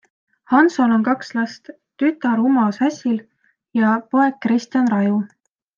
Hansol on kaks last, tütar Uma Säsil ja poeg Kristjan Raju.